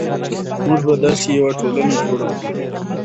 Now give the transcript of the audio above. موږ به داسې یوه ټولنه جوړه کړو.